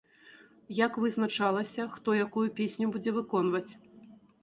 Як вызначалася, хто якую песню будзе выконваць?